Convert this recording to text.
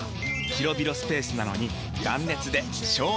広々スペースなのに断熱で省エネ！